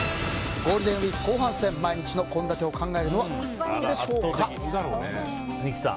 ゴールデンウィーク後半戦毎日の献立を考えるのは苦痛でしょうか。